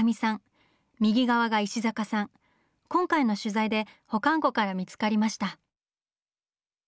今回の取材で保管庫から見つかりました。